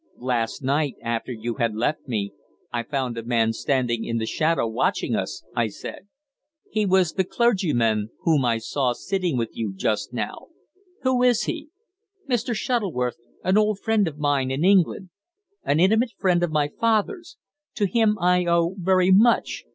"Last night, after you had left me, I found a man standing in the shadow watching us," I said. "He was the clergyman whom I saw sitting with you just now. Who is he?" "Mr. Shuttleworth an old friend of mine in England. An intimate friend of my father's. To him, I owe very much.